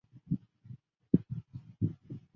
最后被欲支配人类世界的恶魔反噬杀死。